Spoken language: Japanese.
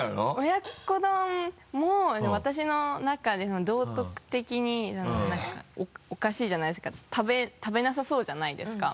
親子丼も私の中で道徳的におかしいじゃないですか食べなさそうじゃないですか。